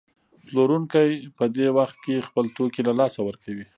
پلورونکی په دې وخت کې خپل توکي له لاسه ورکوي